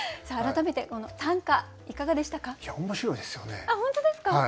さあ改めてこの短歌いかがでしたか？